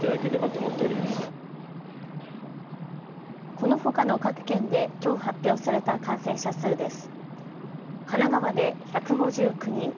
このほかの各県できょう発表された感染者数です。